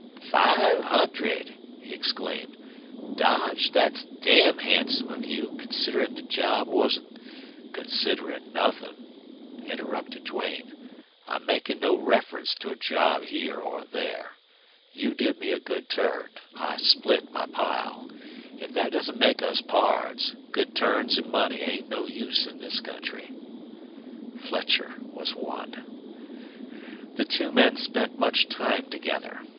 "Five hundred!" he exclaimed. "Dodge, thet's damn handsome of you, considerin' the job wasn't " "Considerin' nothin'," interrupted Duane. "I'm makin' no reference to a job here or there. You did me a good turn. I split my pile. If thet doesn't make us pards, good turns an' money ain't no use in this country." Fletcher was won. The two men spent much time together.